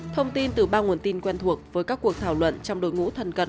thông tin từ ba nguồn tin quen thuộc với các cuộc thảo luận trong đội ngũ thân cận